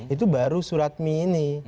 itu baru surat mi ini